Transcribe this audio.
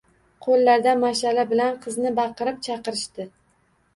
Qo`llarda mash`ala bilan qizni baqirib chaqirishdi